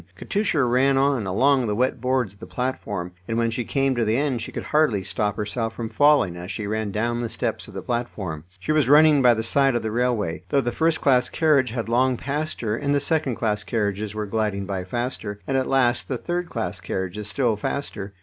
Katusha ran on, along the wet boards of the platform, and when she came to the end she could hardly stop herself from falling as she ran down the steps of the platform. She was running by the side of the railway, though the first class carriage had long passed her, and the second class carriages were gliding by faster, and at last the third class carriages still faster.